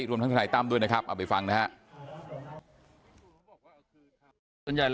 รวมทั้งทนายตั้มด้วยนะครับเอาไปฟังนะครับ